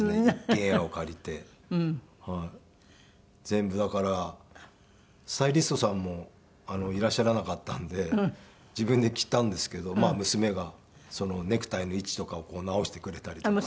全部だからスタイリストさんもいらっしゃらなかったんで自分で着たんですけどまあ娘がネクタイの位置とかを直してくれたりとか。